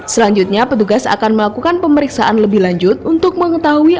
selanjutnya petugas akan melakukan pemeriksaan lebih lanjut untuk mengetahui